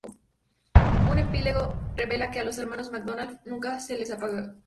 Un epílogo revela que a los hermanos McDonald nunca se les pagaron sus regalías.